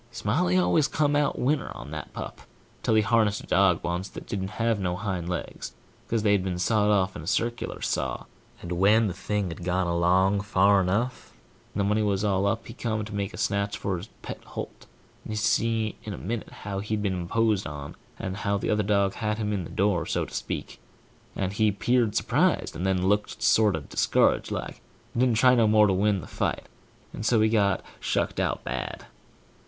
Smiley always come out winner on that pup, till he harnessed a dog once that didn't have no hind legs, because they'd been sawed off by a circular saw, and when the thing had gone along far enough, and the money was all up, and he come to make a snatch for his pet holt, he saw in a minute how he'd been imposed on, and how the other dog had him in the door, so to speak, and he 'peared surprised, and then he looked sorter discouraged like, and didn't try no more to win the fight, and so he got shucked out bad.